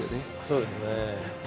そうですね。